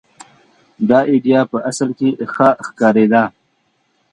دا اېډیا په اصل کې ښه ښکارېده.